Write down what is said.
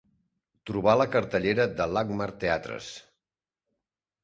Trobar la cartellera de Landmark Theatres.